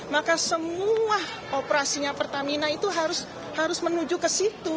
maka semua operasinya pertamina itu harus menuju ke situ